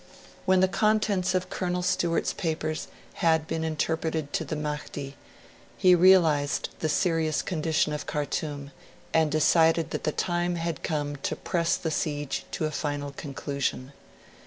When the contents of Colonel Stewart's papers had been interpreted to the Mahdi, he realised the serious condition of Khartoum, and decided that the time had come to press the siege to a final conclusion.